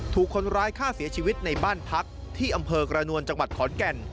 ถูกคนร้ายฆ่าเสียชีวิตในบ้านพักที่อำเภอกระนวลจังหวัดขอนแก่น